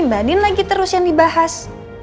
mbak din lagi terus yang dibahas